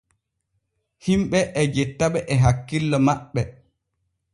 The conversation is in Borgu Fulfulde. Himɓe e jettaɓe e hakkillo maɓɓe.